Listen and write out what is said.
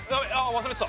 忘れてた。